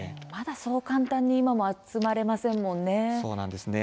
そう簡単に今も集まれませんもんね。